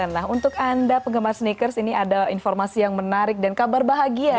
nah untuk anda penggemar sneakers ini ada informasi yang menarik dan kabar bahagia